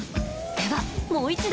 では、もう一度。